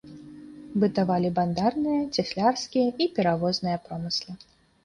Бытавалі бандарныя, цяслярскія і перавозныя промыслы.